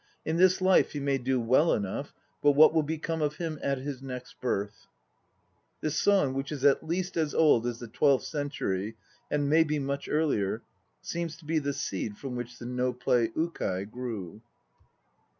In this life he may do well enough, But what will become of him at his next birth?" This song, which is at least as old as the twelfth century, and may be much earlier, seems to be the seed from which the No play Ukai grew.